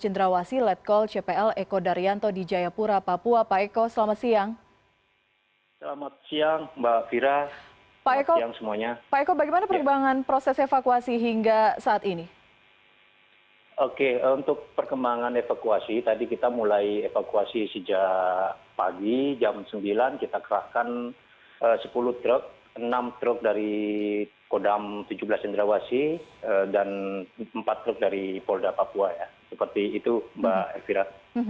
enam truk dari kodam tujuh belas indrawasi dan empat truk dari polda papua seperti itu mbak elvira